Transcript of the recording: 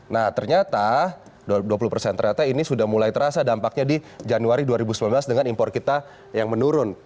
nah ternyata dua puluh persen ternyata ini sudah mulai terasa dampaknya di januari dua ribu sembilan belas dengan impor kita yang menurun